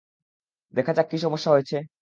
দেখা যাক কী সমস্যা হয়েছে।